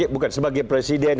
bukan sebagai presiden